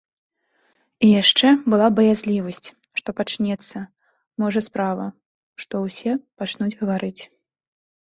І яшчэ была баязлівасць, што пачнецца, можа, справа, што ўсе пачнуць гаварыць.